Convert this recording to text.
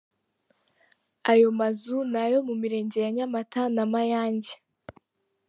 Ayo mazu ni ayo mu mirenge ya Nyamata na Mayange.